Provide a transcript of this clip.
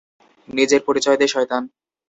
নিজের পরিচয় দে, শয়তান!